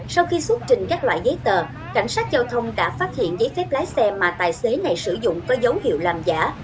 sau khi xuất trình các loại giấy tờ cảnh sát giao thông đã phát hiện giấy phép lái xe mà tài xế này sử dụng có dấu hiệu làm giả